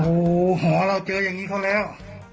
โอ้โหหอเราเจออย่างนี้เขาแล้ว